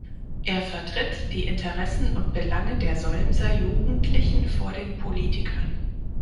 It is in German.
Er vertritt die Interessen und Belange der Solmser Jugendlichen vor den Politikern.